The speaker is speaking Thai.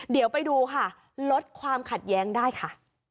ให้ดูค่ะลดความขัดแย้งได้ค่ะ